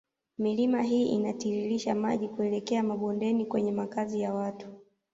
Milima hii inatiririsha maji kuelekea mabondeni kwenye makazi ya watu